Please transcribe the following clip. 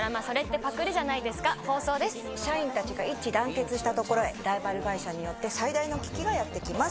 社員たちが一致団結したところへライバル会社によって最大の危機がやって来ます。